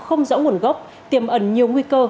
không rõ nguồn gốc tiềm ẩn nhiều nguy cơ